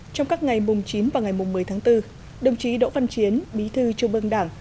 trong các ngày mùng chín và ngày mùng một mươi tháng bốn đồng chí đỗ văn chiến bí thư trung ương đảng